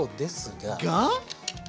が？